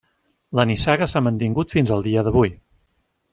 La nissaga s'ha mantingut fins al dia d'avui.